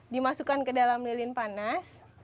dimasukkan ke dalam lilin panas